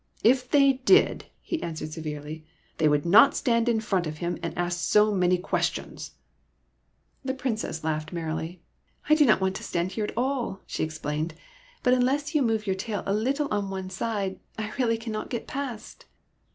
If they did," he added severely, '' they would not stand in front of him and ask so many questions !" The Princess laughed merrily. '' I do not want to stand here at all," she explained ;" but unless you move your tail a little on one side, I really cannot get past."